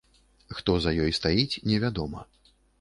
Хто за ёй стаіць, невядома.